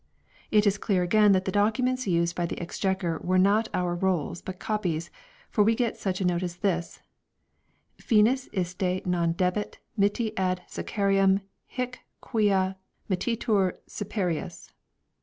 2 It is clear again that the documents used by the Exchequer were not our rolls but copies ; for we get 3 such a note as this " finis iste non debet mitti ad Scaccarium hie quia mittitur superius